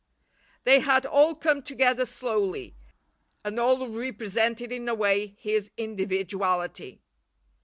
They had all come together slowly, and all represented in a way his individuality.